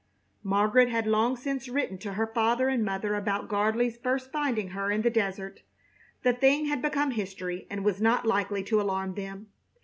Margaret had long since written to her father and mother about Gardley's first finding her in the desert. The thing had become history and was not likely to alarm them.